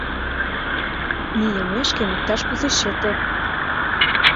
Мийымешкем иктаж-кузе чыте.